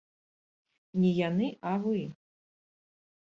Не яны, а вы!